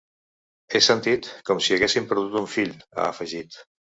“He sentit com si hagués perdut un fill”, ha afegit.